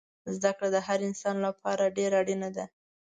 زده کړه دهر انسان لپاره دیره اړینه ده